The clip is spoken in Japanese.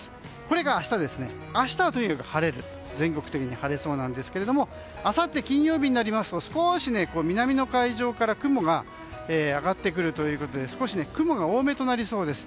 明日は全国的に晴れそうですがあさって金曜日になりますと少し南の海上から雲が上がってきて少し雲が多めとなりそうです。